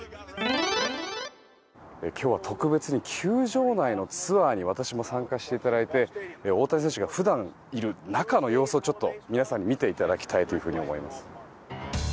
今日は特別に球場内のツアーに私も参加させていただいて大谷選手が普段いる中の様子を皆さんに見ていただきたいと思います。